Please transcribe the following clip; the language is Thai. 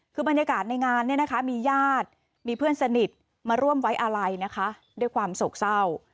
คือบรรยากาศในงานเนี่ยนะคะมีญาติมีเพื่อนสนิทมาร่วมไว้อาลัยนะคะด้วยความโศกเศร้า